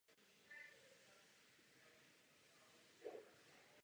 Postaví inspektora znovu na nohy.